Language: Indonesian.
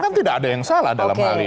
kan tidak ada yang salah dalam hal ini